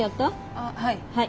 あっはい。